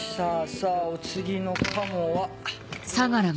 さぁお次のカモは。